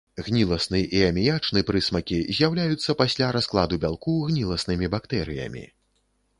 Гніласны і аміячны прысмакі з'яўляюцца пасля раскладу бялку гніласнымі бактэрыямі.